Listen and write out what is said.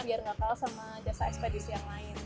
biar nggak kalah sama jasa ekspedisi yang lain